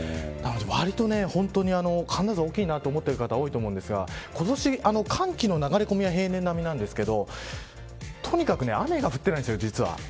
わりと寒暖差、大きいなと思ってる方、多いと思うんですが今年、寒気の流れ込みは平年並みなんですけどとにかく雨が降ってないんですよ、実は。